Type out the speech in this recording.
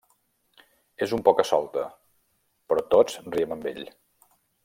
És un poca-solta, però tots riem amb ell.